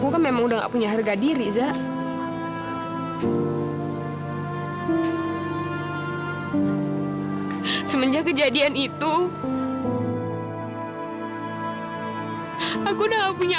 sampai jumpa di video selanjutnya